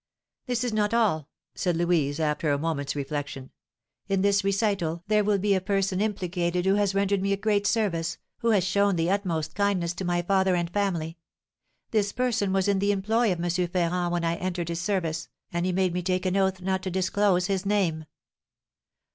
"This is not all," said Louise, after a moment's reflection; "in this recital there will be a person implicated who has rendered me a great service, who has shown the utmost kindness to my father and family; this person was in the employ of M. Ferrand when I entered his service, and he made me take an oath not to disclose his name."